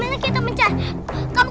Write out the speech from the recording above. itu kan suara serigala